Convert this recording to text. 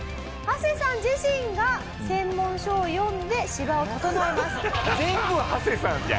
ハセさん自身が専門書を読んで芝を整えます。